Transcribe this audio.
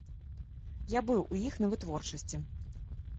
Я быў у іх на вытворчасці.